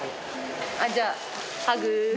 あっじゃあハグ。